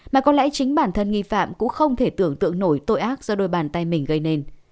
mà có lẽ chính bản thân nghi phạm cũng không thể tưởng tượng nổi tội ác do đôi bàn tay mình gây nên